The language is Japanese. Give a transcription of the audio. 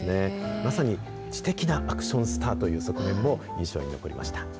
まさに知的なアクションスターという側面も印象に残りました。